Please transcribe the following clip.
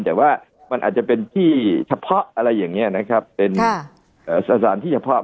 แต่ว่ามันอาจจะเป็นที่เฉพาะอะไรอย่างนี้นะครับเป็นสถานที่เฉพาะ